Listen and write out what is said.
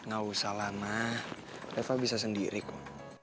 gak usah lama eva bisa sendiri kok